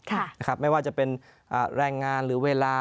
ค่ะนะครับไม่ว่าจะเป็นแรงงานหรือเวลา